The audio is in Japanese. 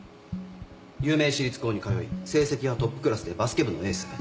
有名私立校に通い成績はトップクラスでバスケ部のエース。